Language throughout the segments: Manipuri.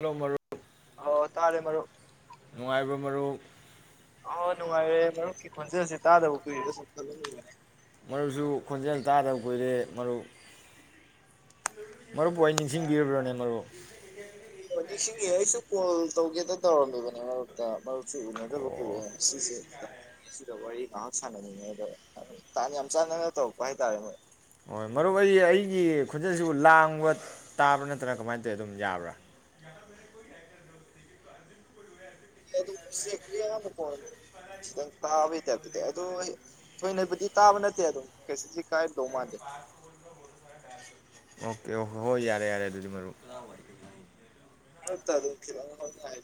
ꯍ ꯃꯔꯣ ꯑ ꯇꯥꯔꯦ ꯃꯔꯔ ꯃꯔꯨ ꯑ ꯅꯨꯡꯉꯥꯏꯔꯦ ꯃꯔꯨꯞꯀꯤ ꯈꯣꯟꯖꯦꯜꯁꯦ ꯇꯥꯗꯕ ꯀꯤꯏꯔ ꯈ ꯃꯔꯣꯏꯁꯨ ꯈꯣꯟꯖꯦꯜ ꯇꯥꯗꯕ ꯀꯨꯏꯔꯦ ꯃꯔꯨ ꯃꯔꯨ ꯄ ꯅꯤꯡꯁꯤꯡꯕꯤꯔꯕ꯭ꯔꯅꯦ ꯃꯔꯨ ꯍꯧꯖꯤꯛ ꯁꯤ ꯑꯩꯁꯨ ꯀꯣꯜ ꯇꯧꯒꯦꯗ ꯇꯧꯔꯝꯗꯕꯅꯦ ꯃꯔꯛꯇ ꯃꯔ ꯁꯤ ꯎꯅꯗꯕ ꯀꯨꯏꯔꯦ ꯑꯁꯤꯁꯦ ꯁꯤꯗ ꯋꯥꯔꯤ ꯉꯍꯥꯛ ꯁꯥꯟꯅꯅꯤꯡꯉꯦꯗ ꯇꯥꯟ ꯌꯥꯝ ꯆꯥꯟꯅꯅ ꯇꯧꯔꯛꯄ ꯍꯥꯏꯇꯥꯔꯦ ꯃꯣꯏ ꯍꯣꯏ ꯃꯔꯨꯞ ꯑꯩ ꯑꯩꯒꯤ ꯈꯣꯟꯆꯁꯤꯕꯨ ꯂꯥꯡꯕ ꯇꯥꯕ꯭ꯔꯥ ꯅꯠꯇ꯭ꯔꯥ ꯀꯃꯥꯏꯅ ꯇꯧꯋꯤ ꯑꯗꯨꯝ ꯌꯥꯕ꯭ꯔꯥ ꯑꯌꯥꯝꯕ ꯀ ꯈꯤꯇꯪ ꯇꯥꯕꯩ ꯇꯥꯏꯞꯇꯗ ꯑꯗꯨꯗꯣ ꯊꯣꯏꯅꯕꯨꯗꯤ ꯇꯥꯕ ꯅꯠꯇꯦ ꯑꯗꯨꯝ ꯀꯩꯁꯨꯁꯤ ꯀꯥꯏꯔꯗꯧ ꯃꯥꯟꯗꯦ ꯑꯣꯀꯦ ꯑꯣꯀꯦ ꯍꯣꯏ ꯌꯥꯔꯦ ꯌꯥꯔꯦ ꯑꯗꯨꯗꯤ ꯃꯔꯨꯞ ꯍ ꯇ ꯑꯗꯨ ꯍꯥꯏ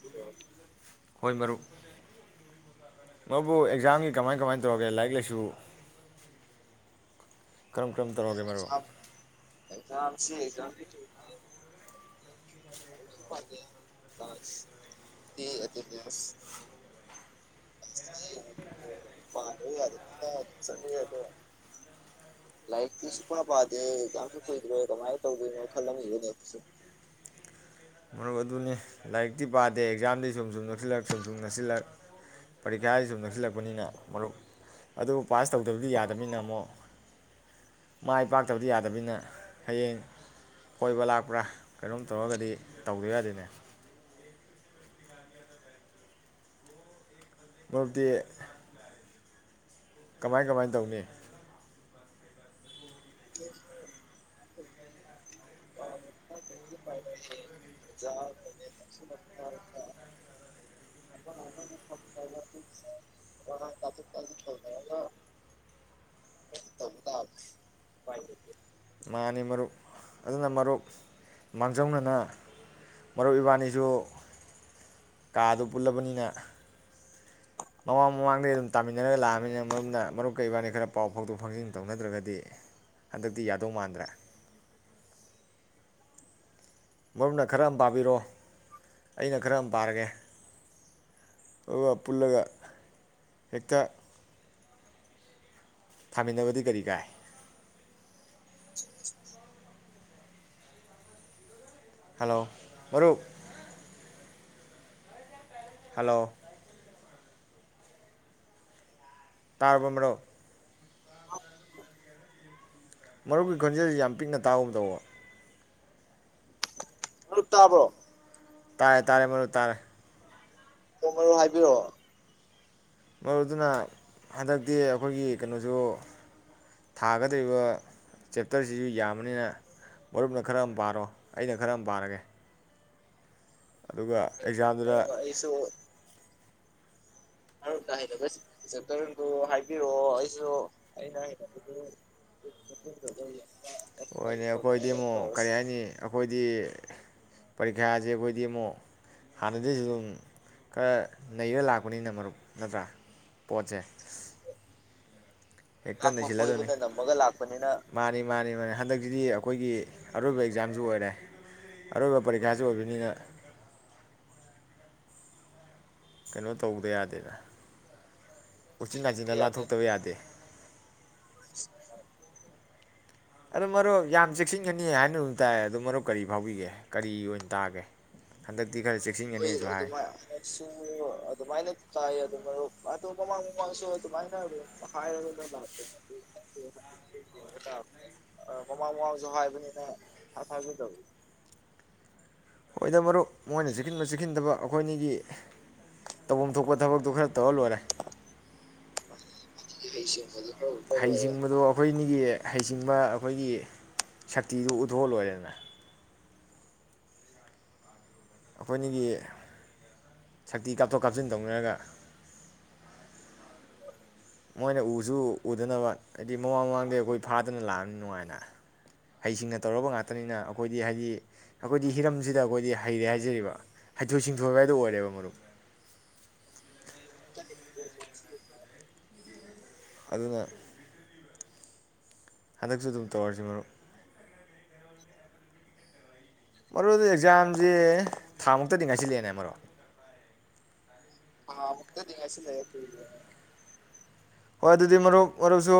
ꯍꯣꯏ ꯃꯔꯨꯞ ꯃꯕꯨ ꯑꯦꯛꯖꯥꯝꯒꯤ ꯀꯃꯥꯏ ꯀꯃꯥꯏ ꯇꯧꯔꯒꯦ ꯂꯥꯏꯔꯤꯛ ꯂꯥꯏꯁꯨ ꯀꯔꯝ ꯀꯔꯝ ꯇꯧꯔꯛꯒꯦ ꯃꯔꯣ ꯑꯦꯝꯁꯤ ꯑꯦꯝꯁ ꯣꯏ ꯂꯥꯏꯔꯤꯛꯇꯤ ꯁꯨꯄ ꯄꯥꯗꯦ ꯌꯥꯝꯁꯨ ꯀꯨꯏꯗ꯭ꯔꯣꯏ ꯀꯃꯥꯏꯅ ꯇꯧꯗꯣꯏꯅꯣ ꯈꯜꯂꯝꯕꯅꯦꯁꯨ ꯃꯔꯨꯞ ꯑꯗꯨꯅꯤ ꯂꯥꯏꯔꯤꯛꯇꯤ ꯄꯥꯗꯦ ꯑꯦꯛꯖꯥꯝꯗꯤ ꯁꯨꯝ ꯁꯨꯝ ꯅꯛꯁꯤꯜꯂꯛ ꯁꯨꯝ ꯁꯨꯝ ꯅꯛꯁꯤꯜꯂꯛ ꯄꯔꯤꯈꯥꯗ ꯁꯨꯝ ꯅꯛꯁꯤꯜꯂꯛꯄꯅꯤꯅ ꯃꯔꯨꯞ ꯑꯗꯨꯕꯨ ꯄꯥꯁ ꯇꯧꯗꯕꯗꯤ ꯌꯥꯗꯅꯤꯅ ꯑꯃꯨꯛ ꯃꯥꯏ ꯄꯥꯛꯇꯕꯗꯤ ꯌꯥꯗꯕꯅꯤꯅ ꯍꯌꯦꯡ ꯀꯣꯏꯕ ꯂꯥꯛꯄ꯭ꯔꯥ ꯀꯩꯅꯣꯝ ꯇꯧꯔꯒꯗꯤ ꯇꯧꯗ ꯌꯥꯗꯦꯅꯦ ꯃꯔꯨꯞꯇꯤ ꯀꯃꯥꯏ ꯀꯃꯥꯏꯅ ꯇꯧꯅꯤ [inaudible] [unintelligible] [inaudible] ꯃꯥꯅꯤ ꯃꯔꯨꯞ ꯑꯗꯨꯅ ꯃꯔꯨꯞ ꯃꯥꯡꯖꯧꯅꯅ ꯃꯔꯨꯞ ꯏꯕꯥꯟꯅꯤꯁꯨ ꯀꯥꯗꯨ ꯄꯨꯜꯂꯕꯅꯤꯅ ꯃꯃꯥꯡ ꯃꯃꯥꯡꯗꯩꯩ ꯑꯗꯨꯝ ꯇꯥꯃꯤꯟꯅꯔꯒ ꯂꯥꯛꯑꯕꯅꯤꯅ ꯃꯔꯨꯝꯅ ꯃꯔꯨꯞꯀ ꯏꯕꯥꯟꯅꯤ ꯈꯔ ꯄꯥꯎ ꯐꯥꯎꯗꯣꯛ ꯐꯥꯎꯖꯤꯟ ꯇꯧꯅꯗ꯭ꯔꯒꯗꯤ ꯍꯟꯗꯛꯇꯤ ꯌꯥꯗꯧ ꯃꯥꯟꯗ꯭ꯔꯦ ꯃꯔꯨꯞꯅ ꯈꯔ ꯑꯝ ꯄꯥꯕꯤꯔꯣ ꯑꯩꯅ ꯈꯔ ꯑꯃ ꯄꯥꯔꯒꯦ ꯑꯗꯨꯒ ꯄꯨꯜꯂꯒ ꯍꯦꯛꯇ ꯊꯥꯃꯤꯟꯅꯕꯗꯤ ꯀꯔꯤ ꯀꯥꯏ [inaudible] ꯍꯜꯂꯣ ꯃꯔꯨꯞ ꯍꯜꯂꯣ ꯇꯥꯔꯕꯣ ꯃꯔꯨꯞ ꯃꯔꯨꯞꯀꯤ ꯈꯣꯟꯖꯦꯜꯖꯦ ꯌꯥꯝ ꯄꯤꯛꯅ ꯇꯥꯕꯒꯨꯝ ꯇꯧꯕ ꯍꯜꯂꯣ ꯇꯥꯕ꯭ꯔꯣ ꯇꯥꯔꯦ ꯇꯥꯔꯦ ꯃꯔꯨꯞ ꯇꯥꯔꯦ ꯑꯣ ꯃꯔꯨꯞ ꯍꯥꯏꯕꯤꯔꯛꯑꯣ ꯃꯔꯨꯞ ꯑꯗꯨꯅ ꯍꯟꯗꯛꯇꯤ ꯑꯈꯣꯏꯒꯤ ꯀꯩꯅꯣꯁꯨ ꯊꯥꯒꯗꯧꯔꯤꯕ ꯆꯦꯞꯇꯔꯁꯤꯁꯨ ꯌꯥꯝꯕꯅꯤꯅ ꯃꯔꯨꯞꯅ ꯈꯔ ꯑꯃ ꯄꯥꯔꯣ ꯑꯩꯅ ꯈꯔ ꯑꯃ ꯄꯥꯔꯒꯦ ꯑꯗꯨꯒ ꯑꯦꯛꯖꯥꯝꯗꯨꯗ ꯃꯔꯨꯞ ꯑꯩꯁꯨ ꯃꯔꯨꯞꯅ ꯍꯩꯅꯕ ꯆꯦꯞꯇꯔꯗꯨ ꯍꯥꯏꯕꯤꯔꯛꯑꯣ ꯑꯩꯁꯨ ꯑꯩꯅ ꯍꯩ [unintelligible] ꯑꯣꯏꯅꯦ ꯑꯈꯣꯏꯗꯤ ꯑꯃꯨꯛ ꯀꯔꯤ ꯍꯥꯏꯅꯤ ꯑꯈꯣꯏꯗꯤ ꯄꯔꯤꯈ꯭ꯌꯥꯁꯦ ꯑꯩꯈꯣꯏꯗꯤ ꯑꯃꯨꯛ ꯍꯥꯟꯅꯗꯩꯩꯁꯨ ꯑꯗꯨꯝ ꯈꯔ ꯅꯩꯔ ꯂꯥꯛꯄꯅꯤꯅ ꯃꯔꯨꯞ ꯅꯠꯇ꯭ꯔꯥ ꯄꯣꯠꯁꯦ ꯍꯦꯛꯇ ꯂꯥꯛꯄ ꯅꯩꯁꯤꯜꯂꯗꯕꯅꯤ ꯀꯣꯏꯕꯅ ꯅꯝꯃꯒ ꯂꯥꯛꯄꯅꯤꯅ ꯃꯥꯅꯤ ꯃꯥꯅꯤ ꯃꯥꯅꯤ ꯍꯟꯗꯛꯁꯤꯗꯤ ꯑꯈꯣꯏꯒꯤ ꯑꯔꯣꯏꯕ ꯑꯦꯛꯖꯥꯝꯁꯨ ꯑꯣꯏꯔꯦ ꯑꯔꯣꯏꯕ ꯄꯔꯤꯈꯥꯁꯨ ꯑꯣꯏꯕꯅꯤꯅ ꯀꯩꯅꯣ ꯇꯧꯗ ꯌꯥꯗꯦꯗ ꯎꯆꯤꯟꯅꯥꯆꯤꯟꯅ ꯌꯥꯗꯦ ꯂꯥꯟꯊꯣꯛꯇꯕ ꯌꯥꯗꯦ [inaudible] ꯑꯗꯨ ꯃꯔꯨꯞ ꯌꯥꯝ ꯆꯦꯛꯁꯤꯟꯒꯅꯤ ꯍꯥꯏꯅꯒꯨꯝ ꯇꯥꯏ ꯑꯗꯨ ꯃꯔꯨꯞ ꯀꯔꯤ ꯐꯥꯎꯕꯤꯒꯦ ꯀꯔꯤ ꯑꯣꯏꯅ ꯇꯥꯒꯦ ꯍꯟꯗꯛꯇꯤ ꯈꯔ ꯆꯦꯛ [unintelligible] [inaudible] ꯑꯗꯨꯃꯥꯏ ꯑꯗꯨꯃꯥꯏꯅ ꯇꯥꯏ ꯑꯗꯣ ꯃꯔꯨꯞ ꯑꯗꯣ ꯃꯃꯥꯡ ꯃꯃꯥꯡꯁꯨ ꯑꯗꯨꯃꯥꯏꯅ ꯑꯗꯨꯝ ꯍꯥꯏꯔꯒꯗ ꯂꯥꯛ [unintelligible] ꯌꯦꯡꯕ ꯇꯕꯅꯦ ꯑ ꯃꯃꯥꯡ, ꯃꯃꯥꯜꯁꯨ ꯍꯥꯏꯕꯅꯤꯅ ꯊꯥꯖꯗꯕ ꯍꯣꯏꯗ ꯃꯔꯨꯞ ꯃꯣꯏꯅ ꯆꯦꯛꯁꯤꯟꯕꯥ ꯆꯦꯛꯁꯤꯟꯗꯕ ꯑꯩꯈꯣꯏꯅꯤꯒꯤ ꯇꯧꯐꯝ ꯊꯣꯛꯄ ꯊꯕꯛꯇꯣ ꯈꯔ ꯇꯧꯔ ꯂꯣꯏꯔꯦ [unintelligible] [inaudible] ꯁꯤꯡꯕꯖꯦ ꯍꯩꯁꯤꯡꯕꯗꯣ ꯑꯈꯣꯏꯅꯤꯒꯤ ꯍꯩꯁꯤꯡꯕ ꯑꯈꯣꯏꯒꯤ ꯁꯛꯇꯤꯗꯨ ꯎꯠꯊꯣꯛꯑ ꯂꯣꯏꯔꯦꯗꯅ ꯑꯈꯣꯏꯅꯤꯒꯤ ꯁꯛꯇꯤ ꯀꯥꯞꯊꯣꯛ ꯀꯥꯞꯁꯤꯟ ꯇꯧꯅꯔꯒ ꯃꯣꯏꯅ ꯎꯁꯨ ꯎꯗꯅꯕ ꯍꯥꯏꯗꯤ ꯃꯃꯥꯡ ꯃꯃꯥꯡꯗ ꯑꯈꯣꯏ ꯐꯥꯗꯅ ꯂꯥꯛꯑꯕꯅꯤꯅ ꯅꯨꯡꯉꯥꯏꯅ ꯍꯩꯁꯤꯡꯅ ꯇꯧꯔꯕ ꯉꯥꯛꯇꯅꯤꯅ ꯑꯩꯈꯣꯏꯗꯤ ꯍꯥꯏꯗꯤ ꯑꯩꯈꯣꯏꯗꯤ ꯍꯤꯔꯝꯁꯤꯗ ꯑꯩꯈꯣꯏꯗꯤ ꯍꯩꯔꯦ ꯍꯥꯏꯖꯔꯤꯕ ꯍꯩꯊꯣꯏ ꯁꯤꯡꯊꯣꯏꯕ ꯍꯥꯏꯗꯣ ꯑꯣꯏꯔꯦꯕ ꯃꯔꯨꯞ [unintelligible] [inaudible] ꯑꯗꯨꯅ ꯍꯟꯗꯛꯁꯨ ꯑꯗꯨꯝ ꯇꯧꯔꯁꯤ ꯃꯔꯨꯞ [inaudible] ꯃꯔꯨꯗꯤ ꯑꯦꯛꯖꯥꯝꯁꯦ ꯊꯥꯃꯨꯛꯇꯗꯤ ꯉꯥꯏꯁꯤꯜꯂꯛꯑꯦꯅꯦ ꯃꯔꯨꯞ ꯊꯥꯃꯨꯛꯇꯗꯤ ꯉꯥꯏꯁꯤꯜꯂꯛꯑꯦ ꯀꯨꯏꯗꯔ꯭ꯦꯅꯦ ꯍꯣꯏ ꯑꯗꯨꯗꯤ ꯃꯔꯨꯞ ꯃꯔꯨꯞꯁꯨ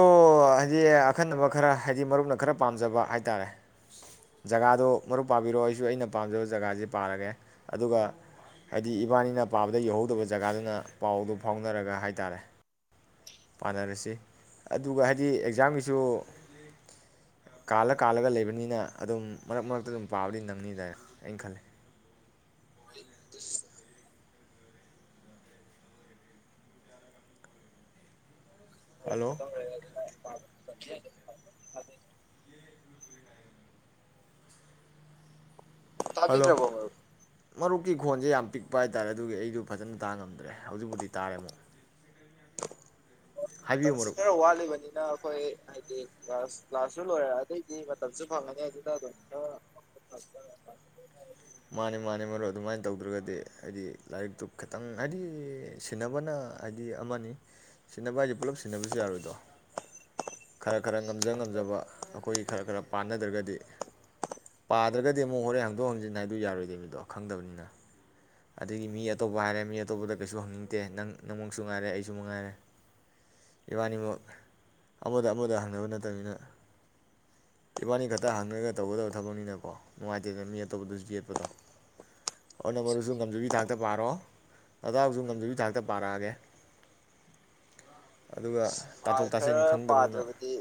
ꯍꯥꯏꯗꯤ ꯑꯈꯟꯅꯕ ꯈꯔ ꯍꯥꯏꯗꯤ ꯃꯔꯨꯞꯅ ꯈꯔ ꯄꯥꯝꯖꯕ ꯍꯥꯏ ꯇꯥꯔꯦ ꯖꯒꯥꯗꯨꯣ ꯃꯔꯨꯞ ꯄꯥꯕꯤꯔꯛꯑꯣ ꯑꯩꯁꯨ ꯑꯩꯅ ꯄꯥꯝꯖꯕ ꯖꯒꯥꯁꯤ ꯄꯥꯔꯒꯦ ꯑꯗꯨꯒ ꯍꯥꯏꯗꯤ ꯏꯕꯥꯅꯤꯅ ꯄꯥꯕꯗ ꯌꯧꯍꯧꯗꯕ ꯖꯒꯥꯗꯨꯅ ꯄꯥꯎꯗꯨ ꯐꯥꯎꯅꯔꯒ ꯍꯥꯏ ꯇꯥꯔꯦ ꯄꯥꯅꯔꯁꯤ ꯑꯗꯨꯒ ꯍꯥꯏꯗꯤ ꯑꯦꯛꯖꯥꯝꯒꯤꯁꯨ ꯀꯥꯜꯂ ꯀꯥꯜꯂꯒ ꯂꯩꯕꯅꯤꯅ ꯑꯗꯨꯝ ꯃꯔꯛ ꯃꯔꯛꯇ ꯑꯗꯨꯝ ꯄꯥꯕꯗꯤ ꯅꯪꯅꯤꯗꯅ ꯑꯩꯅ ꯈꯜꯂꯦ ꯎ ꯍꯂꯣ [inaudible] ꯇꯥꯕꯤꯗ꯭ꯔꯔꯕꯣ ꯍꯧꯛꯀꯤ ꯈꯣꯟꯁꯦ ꯌꯥꯝ ꯄꯤꯛꯄ ꯍꯥꯏꯇꯥꯔꯦ ꯑꯗꯨꯒꯤ ꯑꯩꯗꯨ ꯐꯖꯅ ꯇꯥ ꯉꯝꯗ꯭ꯔꯦ ꯍꯧꯖꯤꯛꯄꯗꯤ ꯇꯥꯔꯦ ꯑꯃꯨꯛ ꯑꯣ ꯍꯥꯏꯕꯤꯌꯨ ꯃꯇꯝꯁꯨ ꯃꯔꯨꯞ ꯈꯔ ꯋꯥꯠꯂꯤꯕꯅꯤꯅ ꯑꯩꯈꯣꯏ ꯍꯥꯏꯗꯤ ꯀ꯭ꯂꯥꯁ ꯀ꯭ꯂꯥꯁꯁꯨ ꯂꯣꯏꯔ ꯑꯗꯩꯗꯤ ꯃꯇꯝꯁꯨ ꯐꯪꯉꯅꯤꯦ ꯑꯗꯨꯗ ꯑꯗꯨꯝ ꯈꯔ ꯃꯥꯅꯦ ꯃꯥꯅꯦ ꯃꯔꯣꯏ ꯑꯗꯨꯃꯥꯏꯅ ꯇꯧꯗ꯭ꯔꯒꯗꯤ ꯍꯥꯏꯗꯤ ꯂꯥꯏꯔꯤꯛꯇꯨ ꯈꯤꯇꯪ ꯍꯥꯏꯗꯤ ꯁꯤꯟꯅꯕꯅ ꯍꯥꯏꯗꯤ ꯑꯃꯅꯤ ꯁꯤꯟꯅꯕ ꯍꯥꯏꯁ ꯄꯨꯜꯂꯞ ꯁꯤꯟꯅꯕꯁꯨ ꯌꯥꯔꯣꯏꯗꯣ ꯈꯔ ꯈꯔ ꯉꯝꯖ ꯉꯝꯖꯕ ꯑꯩ ꯑꯩꯈꯣꯏ ꯈꯔ ꯈꯔ ꯄꯥꯟꯅꯗ꯭ꯔꯒꯗꯤ ꯄꯥꯗ꯭ꯔꯒꯗꯤ ꯑꯃꯨꯛ ꯍꯣꯔꯦꯟ ꯍꯥꯡꯗꯣꯛ ꯍꯥꯡꯖꯤꯟ ꯍꯥꯏ ꯑꯗꯨ ꯌꯥꯔꯣꯏꯗꯣꯏꯅꯤꯗꯣ ꯈꯪꯗꯕꯅꯤꯅ ꯑꯗꯒꯤ ꯃꯤ ꯑꯇꯣꯞꯄ ꯍꯥꯏꯔꯦ ꯃꯤ ꯑꯇꯣꯞꯄꯗ ꯀꯩꯁꯨ ꯍꯪꯅꯤꯡꯗꯦ ꯅꯪ ꯅꯪꯃꯛꯁꯨ ꯉꯥꯏꯔꯦ ꯑꯩꯁꯨ ꯉꯥꯏꯔꯦ ꯏꯕꯥꯅꯤꯃꯛ ꯑꯃꯗ ꯑꯃꯗ ꯍꯪꯅꯕ ꯅꯠꯇꯕꯅꯤꯅ ꯏꯕꯥꯅꯤ ꯈꯛꯇ ꯍꯪꯅꯔꯒ ꯇꯧꯒꯗꯕ ꯊꯕꯛꯅꯤꯅꯀꯣ ꯅꯨꯡꯉꯥꯏꯇꯦꯗꯅ ꯃꯤ ꯑꯇꯣꯞꯄꯗꯁꯨ ꯌꯦꯠꯄ ꯗꯣ ꯑꯣ ꯅ ꯃꯔꯨꯁꯨ ꯉꯝꯖꯕꯤ ꯊꯥꯛꯇ ꯄꯥꯔꯛꯑꯣ ꯑꯗꯥꯁꯨ ꯉꯝꯖꯕꯤ ꯊꯥꯛꯇ ꯄꯥꯔꯛꯑꯒꯦ ꯑꯗꯨꯒ ꯄ ꯇꯥꯊꯣꯛ ꯇꯥꯁꯤꯟ ꯈꯔ ꯈꯪꯗꯕꯗꯨꯅ ꯄꯥꯗ꯭ꯔꯕꯗꯤ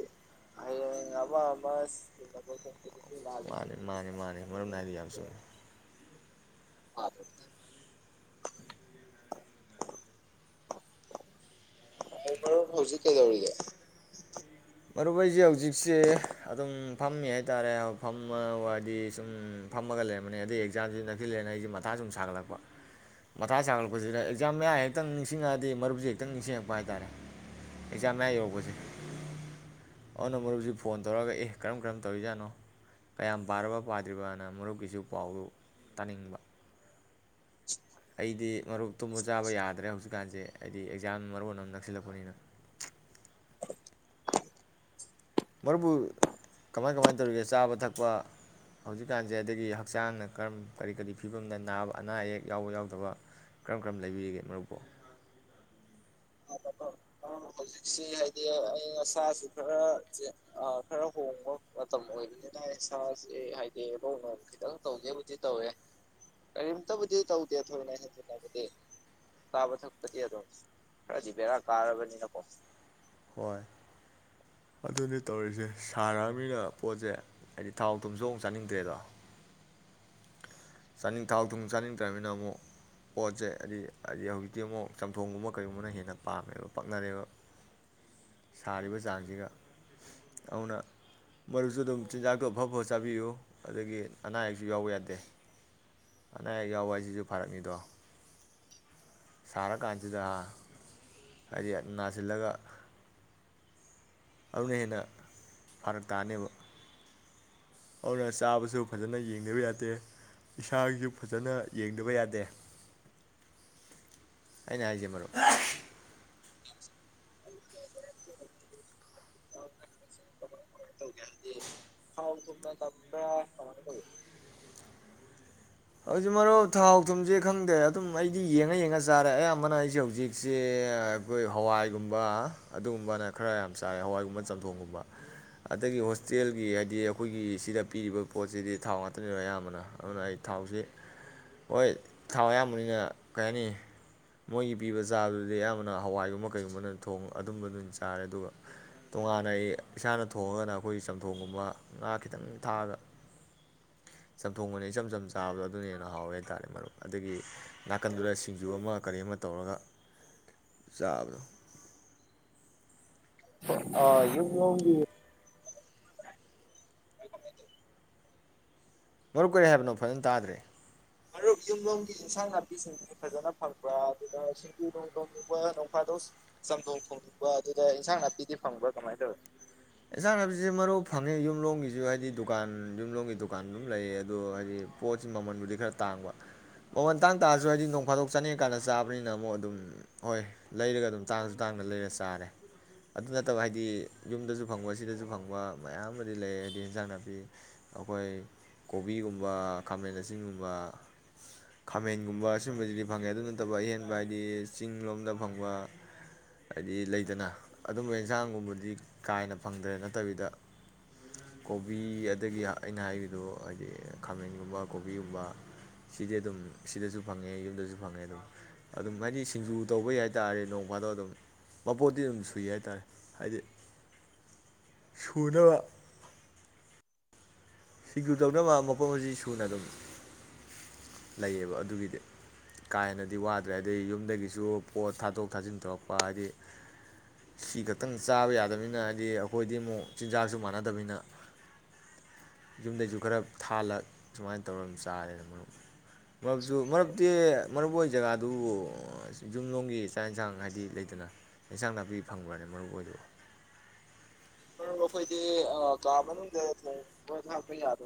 ꯑꯍꯡ ꯑꯃ ꯑꯃ ꯑꯗꯨꯣꯏ ꯆꯦ ꯃꯥꯅꯤ ꯃꯥꯅꯤ ꯃꯥꯅꯤ ꯃꯔꯝ ꯅꯥꯏꯗꯤ ꯌꯥꯝ ꯆꯨꯝꯃꯤ ꯃꯔꯨꯞꯄꯨ ꯍꯧꯖꯤꯛ ꯀꯩꯗꯧꯔꯤꯒꯦ ꯃꯔꯨꯞ ꯑꯩꯁꯦ ꯍꯧꯖꯤꯛꯁꯦ ꯑꯗꯨꯝ ꯐꯝꯃꯤ ꯍꯥꯏꯇꯥꯔꯦ ꯐꯝꯃ ꯋꯥꯗꯤ ꯁꯨꯝ ꯐꯝꯃꯒ ꯂꯩꯔꯝꯕꯅꯤ ꯑꯗꯩ ꯑꯦꯛꯖꯥꯝꯁꯤ ꯅꯛꯊꯜꯂꯦꯅ ꯑꯩꯁꯦ ꯃꯊꯥ ꯁꯨꯝ ꯁꯥꯒꯠꯂꯛꯄ ꯃꯊꯥ ꯁꯥꯒꯠꯂꯛꯄꯁꯤꯗ ꯑꯦꯛꯖꯥꯝ ꯃꯌꯥ ꯍꯦꯛꯇꯪ ꯅꯤꯡꯁꯤꯡꯉꯛꯑꯗꯤ ꯃꯔꯨꯞꯁꯦ ꯍꯦꯛꯇꯪ ꯅꯤꯡꯁꯤꯡꯉꯛꯄ ꯍꯥꯏꯇꯥꯔꯦ ꯑꯦꯛꯖꯥꯝ ꯃꯌꯥ ꯌꯧꯄꯁꯦ ꯑꯣꯅ ꯃꯨꯞꯁꯤ ꯐꯣꯟ ꯇꯧꯔꯒ ꯑꯦ ꯀꯔꯝ ꯀꯔꯝ ꯇꯧꯔꯤꯖꯥꯠꯅꯣ ꯀꯌꯥꯝ ꯄꯥꯔꯕ ꯄꯥꯗ꯭ꯔꯤꯕꯅ ꯃꯔꯨꯞꯀꯤꯁꯨ ꯄꯥꯎꯗꯨ ꯇꯥꯅꯤꯡꯕ ꯑꯩꯗꯤ ꯃꯔꯨꯞ ꯇꯨꯝꯕ ꯆꯥꯕ ꯌꯥꯗ꯭ꯔꯦ ꯍꯧꯖꯤꯛꯀꯥꯟꯁꯦ ꯍꯥꯏꯗꯤ ꯑꯦꯛꯖꯥꯝ ꯃꯔꯣꯟ ꯑꯃ ꯅꯛꯁꯤꯜꯂꯛꯄꯅꯤꯅ ꯃꯔꯨꯞꯄꯨ ꯀꯃꯥꯏ ꯀꯃꯥꯏ ꯇꯧꯔꯤꯒꯦ ꯆꯥꯕ ꯊꯛꯄ ꯍꯧꯖꯤꯛꯀꯥꯟꯁꯦ ꯑꯗꯒꯤ ꯍꯛꯆꯥꯡꯅ ꯀꯔꯝ ꯀꯔꯤ ꯀꯔꯤ ꯐꯤꯕꯝꯗ ꯅꯥꯕ ꯑꯅꯥ ꯑꯌꯦꯛ ꯌꯥꯎꯕ ꯌꯥꯎꯗꯕ ꯀꯔꯝ ꯀꯔꯝ ꯂꯩꯕꯤꯔꯤꯒꯦ ꯃꯔꯨꯞꯄꯨ ꯑ ꯑ ꯍꯧꯖꯤꯛꯁꯤ ꯍꯥꯏꯗꯤ ꯑ ꯑꯁꯥꯁꯨ ꯈꯔ ꯈꯔ ꯍꯣꯡꯕ ꯃꯇꯝ ꯑꯣꯏꯕꯅꯤꯅ ꯑꯩ ꯏꯁꯁꯤ ꯍꯥꯏꯗꯤ ꯅꯧꯅ ꯈꯤꯇꯪ ꯇꯧꯒꯦꯕꯨꯗꯤ ꯇꯧꯋꯦ ꯀꯔꯤꯝꯇꯕꯨꯗꯤ ꯇꯧꯗꯦ ꯊꯣꯏꯅ ꯍꯟꯖꯤꯟꯅꯕꯗꯤ ꯆꯥꯕ ꯊꯛꯄꯗꯤ ꯑꯗꯨꯝ ꯕꯦꯔꯥ ꯀꯥꯔꯒꯅꯤꯅꯀꯣ ꯍꯣꯏ ꯑꯗꯨꯗꯤ ꯇꯧꯔꯤꯁꯦ ꯁꯥꯔꯛꯑꯅꯤꯅ ꯄꯣꯠꯁꯦ ꯍꯥꯏꯗꯤ ꯊꯥꯎ ꯊꯨꯝꯁꯨ ꯑꯃꯨꯛ ꯆꯥꯅꯤꯡꯗ꯭ꯔꯦꯗꯣ ꯆꯥꯅꯤꯡ ꯊꯥꯎ ꯊꯨꯝ ꯆꯥꯅꯤꯡꯗ꯭ꯔꯕꯅꯤꯅ ꯑꯃꯨꯛ ꯄꯣꯠꯁꯦ ꯍꯥꯏꯗꯤ ꯍꯥꯏꯗꯤ ꯍꯧꯖꯤꯛꯇꯤ ꯑꯃꯨꯛ ꯆꯝꯊꯣꯡꯒꯨꯝꯕ ꯀꯩꯒꯨꯝꯕꯅ ꯍꯦꯟꯅ ꯄꯥꯝꯃꯦꯕ ꯄꯛꯅꯔꯦꯕ ꯁꯥꯔꯤꯕ ꯆꯥꯡꯁꯤꯒ ꯑꯗꯨꯅ ꯃꯔꯨꯞꯁꯨ ꯑꯗꯨꯝ ꯆꯤꯟꯖꯥꯛꯇꯣ ꯑꯐ ꯑꯕ ꯆꯥꯕꯤꯌꯨ ꯑꯗꯒꯤ ꯑꯅꯥ ꯑꯌꯦꯛꯁꯨ ꯌꯥꯎꯕ ꯌꯥꯗꯦ ꯑꯅꯥ ꯑꯌꯦꯛ ꯌꯥꯎꯕ ꯍꯥꯏꯁꯤꯁꯨ ꯐꯥꯔꯛꯅꯤꯗꯣ ꯁꯥꯔꯀꯥꯟꯁꯤꯗ ꯍꯥꯏꯗꯤ ꯅꯥꯁꯤꯜꯂꯒ ꯑꯗꯨꯅ ꯍꯦꯟꯅ ꯐꯔꯛ ꯇꯥꯅꯦꯕ ꯑꯔ ꯆꯥꯕꯁꯨ ꯐꯖꯅ ꯌꯦꯡꯗꯕ ꯌꯥꯗꯦ ꯏꯁꯥꯒꯤꯁꯨ ꯐꯖꯅ ꯌꯦꯡꯗꯕ ꯌꯥꯗꯦ ꯑꯩꯅ ꯍꯥꯏꯖꯩ ꯃꯔꯨꯞ ꯊꯔ ꯀꯃꯥꯏ ꯍꯧꯖꯤꯛ ꯃꯔꯨꯞ ꯊꯥꯎ ꯊꯨꯝꯁꯦ ꯈꯪꯗꯦ ꯑꯗꯨꯝ ꯑꯩꯗꯤ ꯌꯦꯡꯉ ꯌꯦꯡꯉ ꯆꯥꯔꯦ ꯑꯌꯥꯝꯕꯅ ꯑꯩꯁꯦ ꯍꯧꯖꯤꯛꯁꯦ ꯑꯩꯈꯣꯏ ꯍꯋꯥꯏꯒꯨꯝꯕ ꯑꯗꯨꯒꯨꯝꯕꯅ ꯈꯔ ꯌꯥꯝ ꯆꯥꯔꯦ ꯍꯋꯥꯏꯒꯨꯝꯕ ꯆꯝꯊꯣꯡꯒꯨꯝꯕ ꯑꯗꯒꯤ ꯍꯣꯁꯇꯦꯜꯒꯤ ꯍꯥꯏꯗꯤ ꯑꯩꯈꯣꯏꯒꯤ ꯁꯤꯗ ꯄꯤꯔꯤꯕ ꯄꯣꯠꯁꯤꯗꯤ ꯊꯥꯎ ꯉꯥꯛꯇꯅꯤꯗꯣ ꯑꯌꯥꯝꯕꯅ ꯑꯗꯨꯅ ꯑꯩ ꯊꯥꯎꯁꯤ ꯍꯣꯏ ꯊꯥꯎ ꯑꯌꯥꯝꯕꯅꯤꯅ ꯀꯩ ꯍꯥꯏꯅꯤ ꯃꯣꯏꯒꯤ ꯄꯤꯕ ꯆꯥꯕꯗꯨꯗꯤ ꯑꯌꯥꯝꯕꯅ ꯍꯋꯥꯏꯒꯨꯝꯕ ꯀꯩꯒꯨꯝꯕꯅꯣꯡ ꯑꯗꯨꯝꯕꯗꯨꯝ ꯆꯥꯔꯦ ꯑꯗꯨꯒ ꯇꯣꯉꯥꯟꯅ ꯑꯩ ꯏꯁꯥꯅ ꯊꯣꯡꯉꯒꯅ ꯑꯩꯈꯣꯏꯒꯤ ꯆꯝꯊꯣꯡꯒꯨꯝꯕ ꯉꯥ ꯈꯤꯇꯪ ꯊꯥꯛꯑꯒ ꯆꯝꯊꯣꯡꯕꯅꯤ ꯏꯆꯝ ꯆꯝ ꯆꯥꯕꯗꯣ ꯑꯗꯨꯅ ꯍꯦꯟꯅ ꯍꯥꯎꯋꯦ ꯍꯥꯏꯇꯥꯔꯦ ꯃꯔꯨꯞ ꯑꯗꯒꯤ ꯅꯥꯀꯟꯗꯨꯗ ꯁꯤꯡꯖꯨ ꯑꯃ ꯀꯔꯤ ꯑꯃ ꯇꯧꯔꯒ ꯆꯥꯕꯗꯣ [unintelligible] [inaudible] ꯃꯔꯨꯞ ꯀꯨꯔꯦ ꯍꯥꯏꯕꯅꯣ ꯐꯖꯅ ꯇꯥꯗ꯭ꯔꯦ ꯃꯔꯨꯞ ꯌꯨꯝꯂꯣꯝꯒꯤ ꯏꯟꯁꯥꯡ ꯅꯥꯄꯤꯁꯤꯡꯗꯨꯗꯤ ꯐꯖꯅ ꯐꯪꯕ꯭ꯔꯥ ꯑꯗꯨꯒ ꯁꯤꯡꯖꯨꯗꯣꯡ ꯊꯣꯡꯉꯨꯕ ꯅꯣꯡꯐꯥꯗꯧ ꯆꯝꯊꯣꯡ ꯊꯣꯡꯉꯨꯕ ꯑꯗꯨꯗ ꯏꯟꯁꯥꯡ ꯅꯥꯄꯤꯗꯤ ꯐꯪꯕ꯭ꯔꯥ ꯀꯃꯥꯏꯅ ꯇꯧꯋꯤ ꯑꯦꯟꯁꯥꯡ ꯅꯥꯏꯁꯦ ꯃꯔꯨ ꯐꯪꯉꯦ ꯌꯨꯝꯂꯣꯡꯝꯒꯤꯁꯨ ꯍꯥꯏꯗꯤ ꯗꯨꯀꯥꯟ ꯌꯨꯝꯂꯣꯡꯝꯒꯤ ꯗꯨꯀꯥꯟ ꯑꯗꯨꯝ ꯂꯩꯌꯦ ꯑꯗꯨꯗꯣ ꯍꯥꯏꯗꯤ ꯄꯣꯠꯁꯤ ꯃꯃꯜꯕꯨꯗꯤ ꯈꯔ ꯇꯥꯡꯕ ꯃꯃꯟ ꯇꯥꯡ ꯇꯥꯔꯁꯨ ꯍꯥꯏꯗꯤ ꯅꯣꯡ ꯐꯥꯗꯣꯛ ꯆꯥꯅꯤꯡꯀꯥꯟꯗ ꯆꯥꯕꯅꯤꯅ ꯑꯃꯨꯛ ꯑꯗꯨꯝ ꯍꯣꯏ ꯂꯩꯔꯒ ꯑꯗꯨꯝ ꯇꯥꯡꯁꯨ ꯇꯥꯡꯅ ꯂꯩꯔ ꯆꯥꯔꯦ ꯑꯗꯨ ꯅꯠꯇꯕ ꯍꯥꯏꯗꯤ ꯌꯨꯝꯗꯁꯨ ꯐꯪꯕ ꯁꯤꯗꯁꯨ ꯐꯪꯕ ꯃꯌꯥꯝ ꯑꯃꯗꯤ ꯂꯩ ꯍꯥꯏꯗꯤ ꯑꯦꯟꯖꯥꯡ ꯅꯥꯄꯤ ꯑꯩꯈꯣꯏ ꯀꯣꯕꯤꯒꯨꯝꯕ ꯈꯥꯃꯦꯟ ꯑꯁꯤꯆꯤꯡꯒꯨꯝꯕ ꯈꯥꯃꯦꯟꯒꯨꯝꯕ ꯑꯁꯤꯒꯨꯝꯕꯁꯤꯗꯤ ꯐꯪꯉꯦ ꯑꯗꯨ ꯅꯠꯇꯕ ꯑꯍꯦꯟꯕ ꯍꯥꯏꯗꯤ ꯆꯤꯡ ꯂꯣꯝꯗ ꯐꯪꯕ ꯍꯥꯏꯗꯤ ꯂꯩꯇꯅ ꯑꯗꯨꯝꯕ ꯑꯦꯟꯖꯥꯡꯒꯨꯝꯕꯗꯤ ꯀꯥꯏꯅ ꯐꯪꯗ꯭ꯔꯦ ꯅꯠꯇꯕꯤꯗ ꯀꯣꯕꯤ ꯑꯗꯒꯤ ꯑꯩꯅ ꯍꯥꯏꯈꯤꯕꯗꯣ ꯍꯥꯏꯗꯤ ꯈꯥꯃꯦꯟꯒꯨꯝꯕ ꯀꯣꯕꯤꯒꯨꯝꯕ ꯁꯤꯗꯤ ꯑꯗꯨꯝ ꯁꯤꯗꯁꯨ ꯐꯪꯉꯦ ꯌꯨꯝꯗꯁꯨ ꯐꯪꯉꯦ ꯑꯗꯨꯝ ꯑꯗꯨꯝ ꯍꯥꯏꯗꯤ ꯁꯤꯡꯖꯨ ꯇꯧꯕꯩ ꯍꯥꯏꯇꯥꯔꯦ ꯅꯣꯡ ꯐꯥꯗꯣ ꯑꯗꯨꯝ ꯃꯄꯣꯠꯇꯤ ꯑꯗꯨꯝ ꯁꯨꯏ ꯍꯥꯏꯇꯥꯥꯔꯦ ꯍꯥꯏꯗꯤ ꯁꯨꯅ ꯁꯤꯡꯖꯨ ꯇꯧꯅꯕ ꯃꯥꯄꫭꯠ ꯃꯥꯆꯩ ꯑꯁꯤ ꯁꯨꯅ ꯑꯗꯨꯝ ꯂꯩꯌꯦꯕ ꯑꯗꯨꯒꯤꯗꯤ ꯀꯥ ꯍꯦꯟꯅꯗꯤ ꯋꯥꯗ꯭ꯔꯦ ꯑꯗꯩ ꯌꯨꯝꯗꯒꯤꯁꯨ ꯄꯣꯠ ꯊꯥꯗꯣꯛ ꯊꯥꯖꯤꯟ ꯇꯧꯔꯛꯄ ꯍꯥꯏꯗꯤ ꯁꯤ ꯈꯛꯇꯪ ꯆꯥꯕ ꯌꯥꯗꯕꯅꯤꯅ ꯍꯥꯏꯗꯤ ꯑꯩꯈꯣꯏꯗꯤ ꯑꯃꯨꯛ ꯆꯤꯟꯖꯥꯛꯁꯨ ꯃꯥꯟꯅꯗꯕꯅꯤꯅ ꯌꯨꯝꯗꯩꯁꯨ ꯈꯔ ꯊꯥꯍꯜꯂ ꯁꯨꯃꯥꯏꯅ ꯇꯧꯔ ꯆꯥꯔꯦꯅ ꯃꯔꯨꯞ ꯃꯔꯨꯞꯁꯨ ꯃꯔꯛꯇꯤ ꯃꯔꯨꯞ ꯑꯣꯏ ꯖꯒꯥꯗꯨꯕꯨ ꯌꯨꯝꯂꯣꯡꯝꯒꯤ ꯆꯥꯛ ꯏꯟꯁꯥꯡ ꯍꯥꯏꯗꯤ ꯂꯩꯗꯅ ꯏꯟꯁꯥꯡ ꯅꯥꯄꯤ ꯐꯪꯕ꯭ꯔꯅꯦ ꯃꯔꯨꯞ ꯍꯣꯏꯗꯨꯕ ꯑꯩꯈꯣꯏꯗꯤ ꯀꯥ ꯃꯅꯨꯡꯗ ꯊꯣꯡꯕ ꯊꯥꯛꯄ ꯌꯥꯕ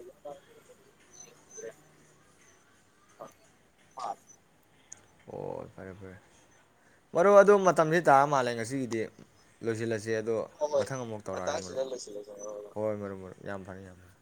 ꯑꯣ ꯐꯔꯦ ꯐꯔꯦ ꯃꯔꯨ ꯑꯗꯨ ꯃꯇꯝꯁꯤ ꯇꯥ ꯃꯥꯜꯂꯦ ꯉꯁꯤꯒꯤꯗꯤ ꯂꯣꯏꯁꯤꯜꯂꯁꯤ ꯏꯆꯦ ꯑꯗꯣ ꯍꯣꯏ ꯃꯊꯪ ꯑꯃꯨꯛ ꯇꯧꯔꯛꯑꯒꯦ ꯃꯇꯥꯡꯁꯤꯗ ꯃꯔꯨꯞ ꯂꯣꯏꯁꯤꯜꯂꯁꯤ ꯃꯔꯨꯞ ꯍꯣꯏ ꯍꯣꯏ ꯃꯔꯨꯞ ꯃꯔꯨꯞ ꯌꯥꯝ ꯐꯔꯦ ꯌꯥꯝ ꯐꯔꯦ